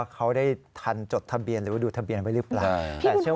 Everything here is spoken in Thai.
เขาได้ทันจดทะเบียนหรือว่าดูทะเบียนไว้หรือเปล่า